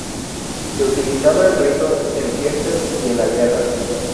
Se utilizaba en ritos, en fiestas y en la guerra.